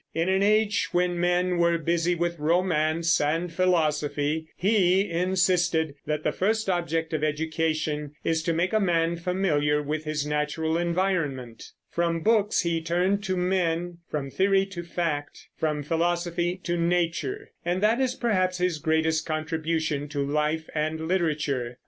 In an age when men were busy with romance and philosophy, he insisted that the first object of education is to make a man familiar with his natural environment; from books he turned to men, from theory to fact, from philosophy to nature, and that is perhaps his greatest contribution to life and literature.